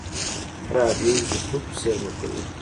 راډیو ایزوتوپ زېرمه کوي.